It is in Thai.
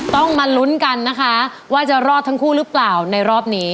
ต้องมาลุ้นกันนะคะว่าจะรอดทั้งคู่หรือเปล่าในรอบนี้